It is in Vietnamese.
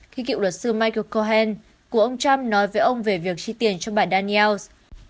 khi cựu luật sư michael cohen của ông trump nói với ông về việc chi tiền cho bài daniels